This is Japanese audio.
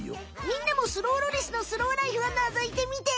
みんなもスローロリスのスローライフをのぞいてみて！